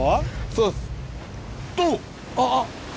そうっす。